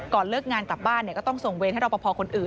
เลิกงานกลับบ้านก็ต้องส่งเวรให้รอปภคนอื่น